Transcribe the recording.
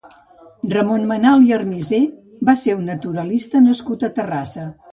Ramon Menal i Armisé va ser un naturalista nascut a Terrassa.